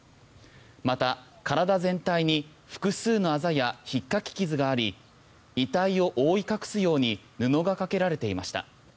また、体全体に複数のあざやひっかき傷があり遺体を覆い隠すように布がかけられていました。